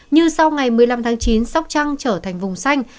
như sau ngày một mươi năm tháng chín sóc trăng trở thành vùng xanh